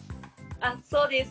あそうです。